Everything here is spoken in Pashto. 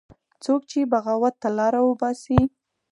څوک چې بغاوت ته لاره وباسي